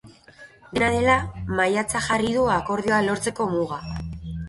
Dena dela, maiatza jarri du akordioa lortzeko muga.